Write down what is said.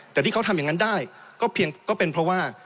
แต่ที่เขาทำอย่างนั้นได้ก็เพียงก็เป็นเพราะว่า